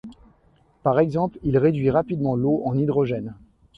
Par exemple, il réduit rapidement l'eau en hydrogène.